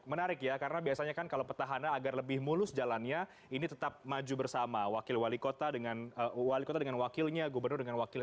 menarik ya karena biasanya kan kalau petahana agar lebih mulus jalannya ini tetap maju bersama wakil wali kota dengan wali kota dengan wakilnya gubernur dengan wakilnya